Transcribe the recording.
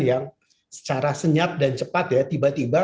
yang secara senyap dan cepat ya tiba tiba